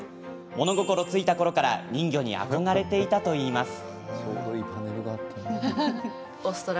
物心ついたころから人魚に憧れていたといいます。